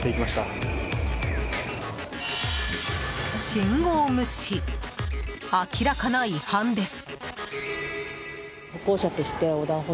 信号無視、明らかな違反です。